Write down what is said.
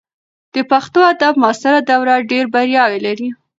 د پښتو ادب معاصره دوره ډېر بریاوې لري.